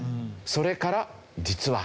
それから実は。